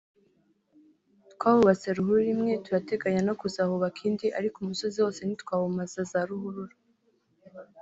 twahubatse ruhurura imwe turateganya no kuzahubaka indi ariko umusozi wose ntitwawumaza za ruhurura